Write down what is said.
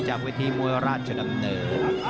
จากวิธีมวยราชดำเนิบ